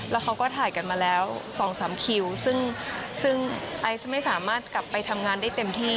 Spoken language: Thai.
แล้วเขาก็ถ่ายกันมาแล้ว๒๓คิวซึ่งไอซ์ไม่สามารถกลับไปทำงานได้เต็มที่